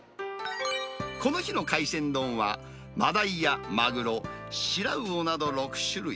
この日の海鮮丼は、マダイやマグロ、白魚など６種類。